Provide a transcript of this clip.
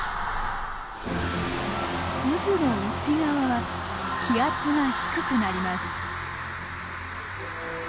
渦の内側は気圧が低くなります。